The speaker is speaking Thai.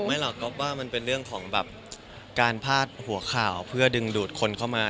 ไม่หรอกนอฟว่ามันเป็นเรื่องของแบบการพาดหัวข่าวเพื่อดึงดูดคนเข้ามา